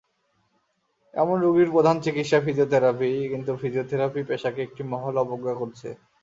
এমন রোগীর প্রধান চিকিৎসা ফিজিওথেরাপি, কিন্তু ফিজিওথেরাপি পেশাকে একটি মহল অবজ্ঞা করছে।